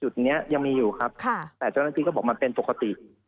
นี้ยังมีอยู่ครับแต่เจ้าหน้าที่ก็บอกมันเป็นปกติ